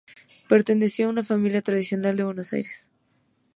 Perteneció a una familia tradicional de Buenos Aires.